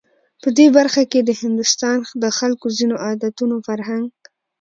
په دې برخه کې د هندوستان د خلکو ځینو عادتونو، فرهنک